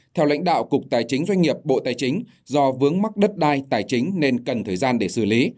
theo lãnh đạo cục tài chính doanh nghiệp bộ tài chính do vướng mắc đất đai tài chính nên cần thời gian để xử lý